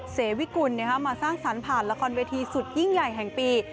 เสวิกุลมาสร้างสรรค์ผ่านละครเวทีสุดยิ่งใหญ่แห่งปี